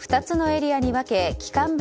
２つのエリアに分け期間